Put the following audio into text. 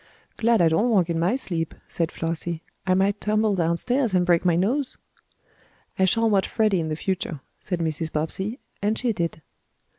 "Glad I don't walk in my sleep," said Flossie. "I might tumble downstairs and break my nose." "I shall watch Freddie in the future," said Mrs. Bobbsey, and she did.